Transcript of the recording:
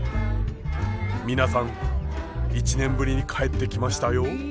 皆さん１年ぶりに帰ってきましたよ。